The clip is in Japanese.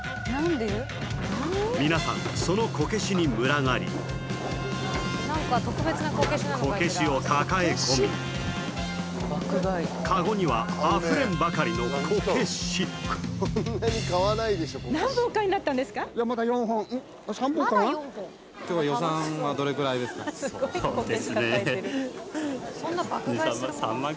皆さんそのこけしに群がりこけしを抱え込みカゴにはあふれんばかりのこけしそうですね